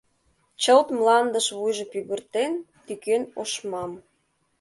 Чылт мландыш вуйжым пӱгыртен, тӱкен ошмам